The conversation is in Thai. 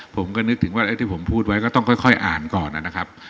ผมก็นึกถึงว่าที่ผมพูดไว้ก็ต้องค่อยอ่านก่อนนะครับ